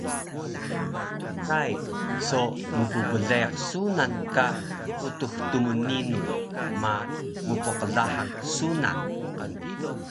Tai so mpbleyaq sunan ka Utux Tmninun ma mpqlahang sunan